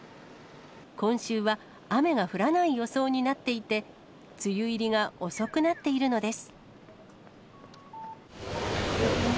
今週は雨が降らない予想になっていて、梅雨入りが遅くなっているのです。